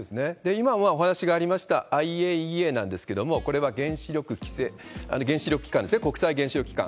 今お話がありました、ＩＡＥＡなんですけども、これは原子力機関ですね、国際原子力機関。